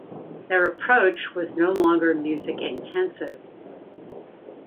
Their approach was no longer music intensive.